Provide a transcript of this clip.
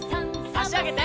あしあげて。